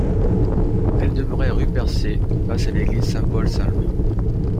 Elles demeuraient rue Percée, face à l'église Saint-Paul-Saint-Louis.